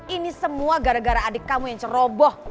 ini semua gara gara adik kamu yang ceroboh